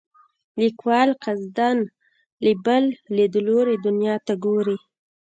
لیکوال قصدا له بل لیدلوري دنیا ته ګوري.